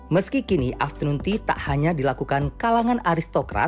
meski kini afternoon tea tak hanya dilakukan kalangan aristokrat